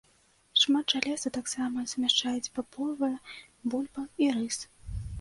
Шмат жалеза таксама змяшчаюць бабовыя, бульба і рыс.